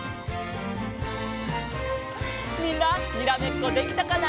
みんなにらめっこできたかな？